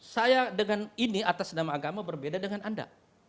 saya dengan ini atas nama agama berbeda dengan anda